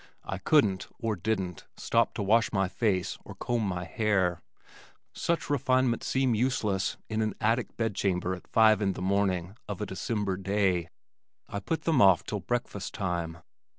I couldn't (or didn't) stop to wash my face or comb my hair; such refinements seem useless in an attic bedchamber at five in the morning of a December day I put them off till breakfast time.